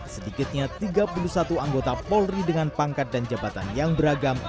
sedikitnya tiga puluh satu anggota polri dengan pangkat dan jabatan yang beragam